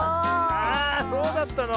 あそうだったの？